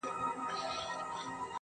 ما او تا د وخت له ښايستو سره راوتي يـو.